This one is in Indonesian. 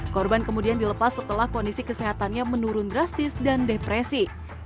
korban kemudian dilepas setelah kondisi kesehatannya menurun drastis dan depresi